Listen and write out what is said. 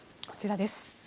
こちらです。